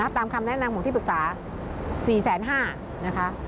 ตามคำแนะนำของที่ปรึกษา๔๕๐๐นะคะ